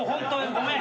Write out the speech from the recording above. ごめん。